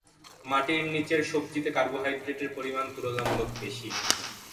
মাটির নিচের সবজিতে কার্বোহাইড্রেটের পরিমাণ তুলনামূলক বেশি।